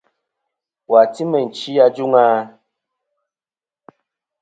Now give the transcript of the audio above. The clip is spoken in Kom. Wà ti meyn chi ajûŋ a?